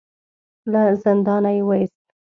له زندانه يې وايست.